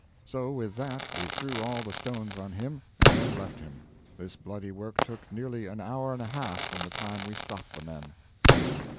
So with that we threw all the stones on him, and then left him. This bloody work took nearly an hour and a half from the time we stopped the men."